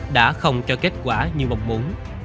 đã không cho kết quả như mong muốn